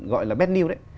gọi là bad news ấy